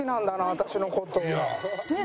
私の事。